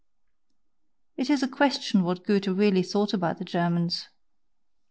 It is a question what Goethe really thought about the Germans?